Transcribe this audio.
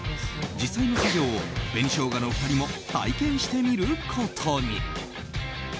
実際の作業を紅しょうがの２人も体験してみることに。